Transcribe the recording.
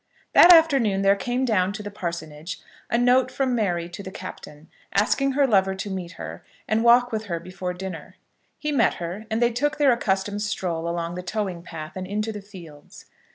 That afternoon there came down to the parsonage a note from Mary to the Captain, asking her lover to meet her, and walk with her before dinner. He met her, and they took their accustomed stroll along the towing path and into the fields.